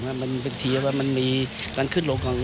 สินค้ามันล้วงโอกาสที่จะแบบแกงขันมันก็ลำบากนิดหนึ่ง